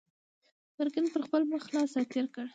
ګرګين پر خپل مخ لاس تېر کړ.